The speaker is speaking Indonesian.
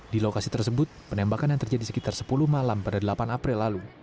di lokasi tersebut penembakan yang terjadi sekitar sepuluh malam pada delapan april lalu